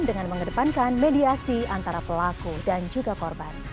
dengan mengedepankan mediasi antara pelaku dan juga korban